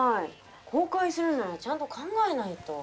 公開するならちゃんと考えないと。